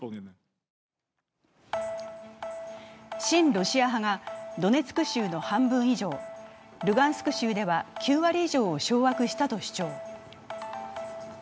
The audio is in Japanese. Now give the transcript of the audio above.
親ロシア派がドネツク州の半分以上、ルガンスク州では９割以上を掌握したと主張。